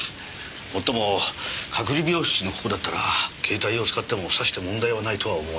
もっとも隔離病室のここだったら携帯を使ってもさして問題はないとは思うのですが。